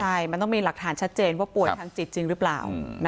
ใช่มันต้องมีหลักฐานชัดเจนว่าป่วยทางจิตจริงหรือเปล่า